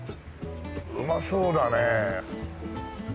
うまそうだねえ。